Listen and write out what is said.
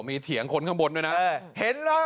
โหมีเหถียงคนข้างบนมากเถอะ